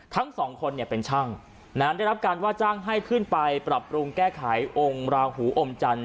ทั้งสองคนเนี่ยเป็นช่างได้รับการว่าจ้างให้ขึ้นไปปรับปรุงแก้ไของค์ราหูอมจันท